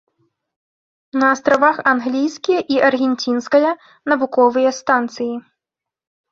На астравах англійскія і аргенцінская навуковыя станцыі.